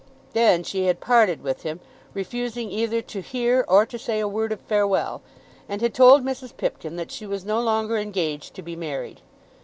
Then she had parted with him, refusing either to hear or to say a word of farewell, and had told Mrs. Pipkin that she was no longer engaged to be married.